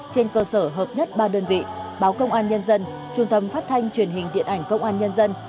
trên cơ sở hợp nhất ba đơn vị báo công an nhân dân trung tâm phát thanh truyền hình điện ảnh công an nhân dân